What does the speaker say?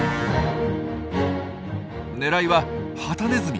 狙いはハタネズミ。